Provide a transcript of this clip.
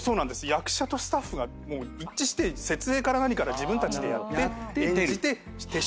役者とスタッフがもう一致して設営から何から自分たちでやって演じて撤収して帰るっていう。